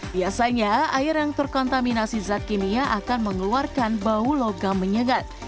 biasanya air yang terkontaminasi zat kimia akan mengeluarkan bau logam menyegat